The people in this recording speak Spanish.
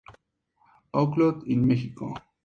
Outlook in Mexico.